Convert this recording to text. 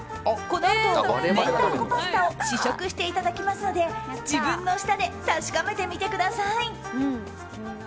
このあと明太子パスタを試食していただきますので自分の舌で確かめてみてください。